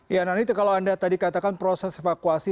ya nanti kalau anda tadi katakan proses evakuasi